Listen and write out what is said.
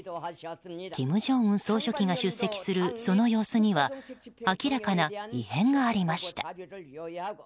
金正恩総書記が出席するその様子には明らかな異変がありました。